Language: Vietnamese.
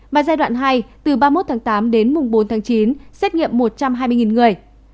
và giai đoạn hai từ ba mươi một tháng tám đến mùng bốn tháng chín xét nghiệm một trăm hai mươi người